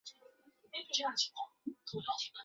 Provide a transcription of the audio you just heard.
圣欧班德布瓦。